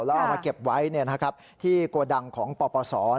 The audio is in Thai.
แล้วเอามาเก็บไว้ที่โกดังของปปศ